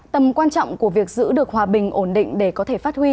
tầm quan trọng của việc giữ được hòa bình ổn định để có thể phát huy